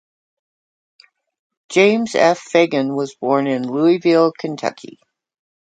James F. Fagan was born in Louisville, Kentucky.